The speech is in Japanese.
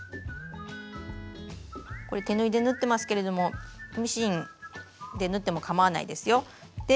これ手縫いで縫ってますけれどもミシンで縫ってもかまわないですよ。